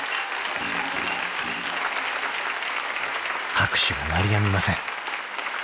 ［拍手が鳴りやみません］